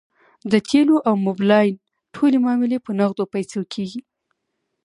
د تیلو او موبلاین ټولې معاملې په نغدو پیسو کیږي